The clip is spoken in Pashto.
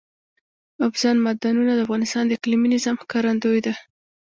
اوبزین معدنونه د افغانستان د اقلیمي نظام ښکارندوی ده.